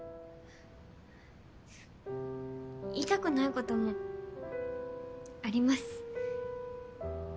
言いたくないこともあります。